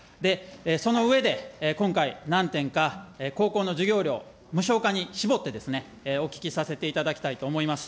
その上で、今回、何点か高校の授業料無償化に絞ってですね、お聞きさせていただきたいと思います。